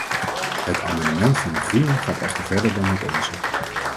Het amendement van de groenen gaat echter verder dan het onze.